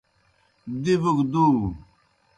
دِبوْ گہ دُو۔